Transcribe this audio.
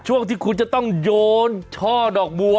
ช่วงที่คุณจะต้องโยนช่อดอกบัว